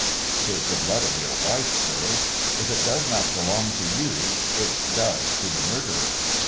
" 'Tis the blood of your wife, sir ! If it does not belong to you, it does to the murderer.